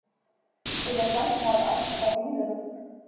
Elefanten haben Angst vor Bienen.